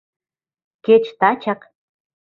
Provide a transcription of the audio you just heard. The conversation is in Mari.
— Кеч тачак.